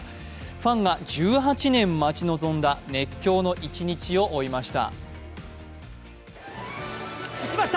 ファンが１８年待ち望んだ熱狂の一日を追いました。